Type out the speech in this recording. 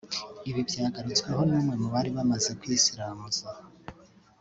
Ibi byanagarutsweho n’umwe mu bari bamaze kwisiramuza